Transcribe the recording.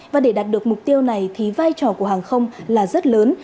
và để đạt được mục tiêu này thì vai trò của hàng không là rất lớn